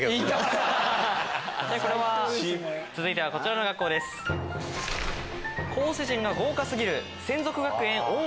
続いてはこちらの学校です。